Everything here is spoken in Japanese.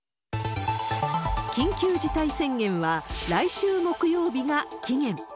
緊急事態宣言は来週木曜日が期限。